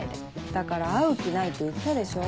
だから会う気ないって言ったでしょ。